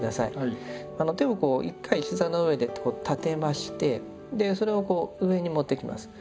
手を１回膝の上で立てましてそれを上に持っていきます。